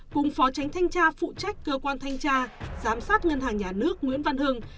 cùng phó tránh thanh tra phụ trách cơ quan thanh tra giám sát ngân hàng nhà nước nguyễn văn hưng